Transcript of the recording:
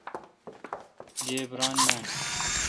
گیب ران نان۔